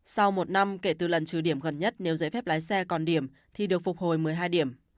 sau một năm kể từ lần trừ điểm gần nhất nếu giấy phép lái xe còn điểm thì được phục hồi một mươi hai điểm